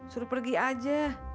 suruh pergi aja